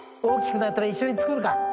大きくなったら一緒に作るか。